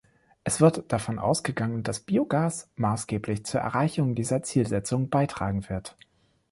Es wird davon ausgegangen, dass Biogas maßgeblich zur Erreichung dieser Zielsetzung beitragen wird.